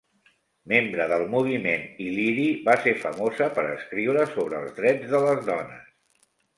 Membre del Moviment il·liri, va ser famosa per escriure sobre els drets de les dones.